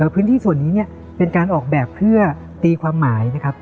พื้นที่ส่วนนี้เนี่ยเป็นการออกแบบเพื่อตีความหมายนะครับ